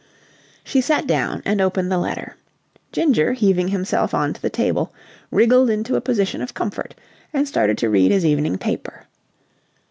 She sat down and opened the letter. Ginger, heaving himself on to the table, wriggled into a position of comfort and started to read his evening paper.